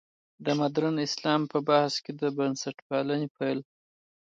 د مډرن اسلام په بحث کې د بنسټپالنې پل.